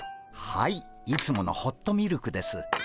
はいいつものホットミルクです。